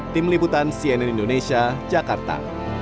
tim liputan cnn indonesia jakarta